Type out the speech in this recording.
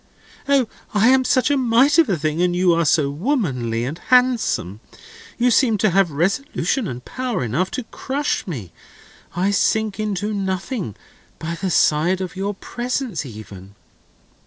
"O, I am such a mite of a thing, and you are so womanly and handsome. You seem to have resolution and power enough to crush me. I shrink into nothing by the side of your presence even."